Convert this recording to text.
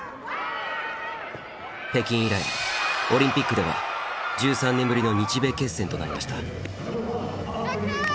北京以来オリンピックでは１３年ぶりの日米決戦となりました。